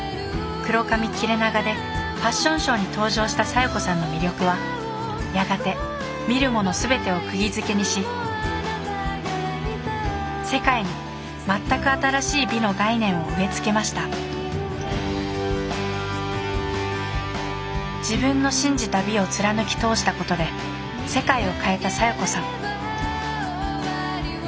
黒髪切れ長でファッションショーに登場した小夜子さんの魅力はやがて見るもの全てをくぎづけにし世界に全く新しい美の概念を植え付けました自分の信じた美を貫き通したことで世界を変えた小夜子さん